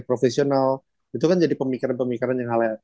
profesional itu kan jadi pemikiran pemikiran yang halal